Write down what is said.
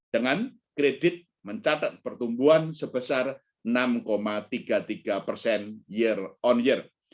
dengan kredit mencatat pertumbuhan sebesar enam tiga puluh tiga persen year on year